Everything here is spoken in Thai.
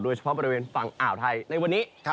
เฉพาะบริเวณฝั่งอ่าวไทยในวันนี้